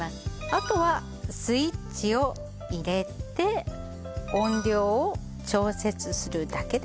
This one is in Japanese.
あとはスイッチを入れて音量を調節するだけです。